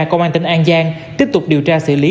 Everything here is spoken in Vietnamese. công an tỉnh an giang tiếp tục điều tra xử lý